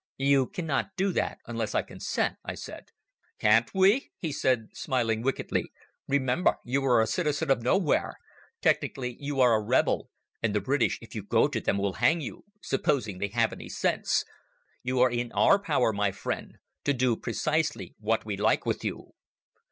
"You cannot do that unless I consent," I said. "Can't we?" he said, smiling wickedly. "Remember you are a citizen of nowhere. Technically, you are a rebel, and the British, if you go to them, will hang you, supposing they have any sense. You are in our power, my friend, to do precisely what we like with you."